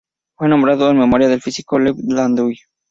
Fue nombrado en memoria del físico Lev Landau.